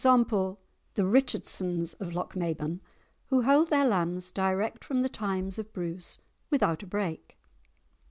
_ the Richardsons of Lochmaben) who hold their lands direct from the times of Bruce without a break.